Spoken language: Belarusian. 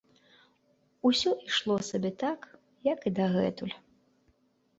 Усё ішло сабе так, як і дагэтуль.